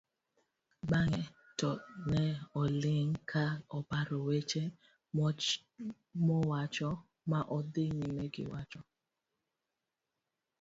bang'e to ne oling' ka oparo weche mowacho ma odhi nyime giwacho